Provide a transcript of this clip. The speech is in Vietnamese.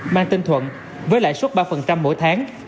mang tên thuận với lại suất ba mỗi tháng